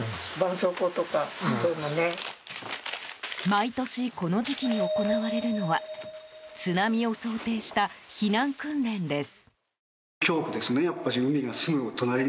毎年、この時期に行われるのは津波を想定した避難訓練です。